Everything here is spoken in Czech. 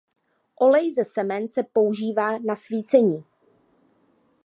Olej ze semen se používá na svícení.